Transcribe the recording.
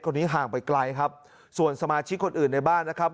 ห่างไปไกลครับส่วนสมาชิกคนอื่นในบ้านนะครับ